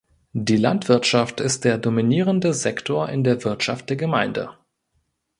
Die Landwirtschaft ist der dominierende Sektor in der Wirtschaft der Gemeinde.